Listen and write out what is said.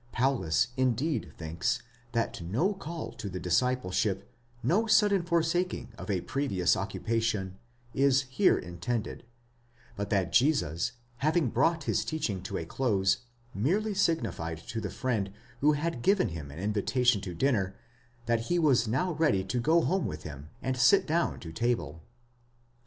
Paulus indeed thinks that no call to discipleship, no sudden forsaking of a previous occupation, is here intended, but that Jesus having brought his teaching to a close, merely signified to the friend who had given him an invitation to dinner, that he was now ready to go home with him, and sit down to table.